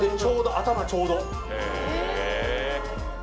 頭ちょうど。